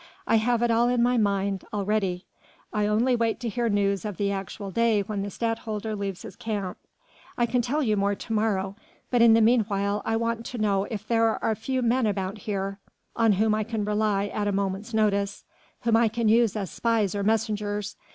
I have it all in my mind already.... I only wait to hear news of the actual day when the Stadtholder leaves his camp.... I can tell you more to morrow, but in the meanwhile I want to know if there are a few men about here on whom I can rely at a moment's notice ... whom I can use as spies or messengers